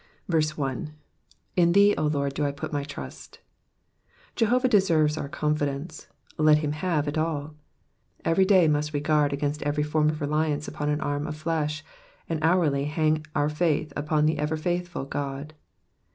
1. *'//! thee^ 0 Lord, do I pvt my trust.'" Jehovah deserves our confidence; let him have it all. Every day must we guard against every form of reliance upon an arm of flesh, and hourly hang our faith upon the ever faithful God.